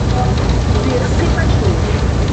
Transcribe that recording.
في رَقٍّ مَنشورٍ